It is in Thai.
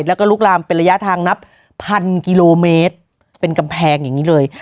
แล้วก็ลุกลามเป็นระยะทางนับพันกิโลเมตรเป็นกำแพงอย่างนี้เลย